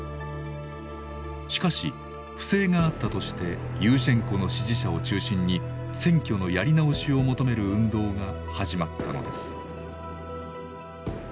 しかし不正があったとしてユーシェンコの支持者を中心に選挙のやり直しを求める運動が始まったのです。